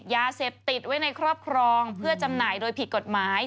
ยาเสพติดไว้ในครอบครองเพื่อจำหน่ายโดยผิดกฎหมาย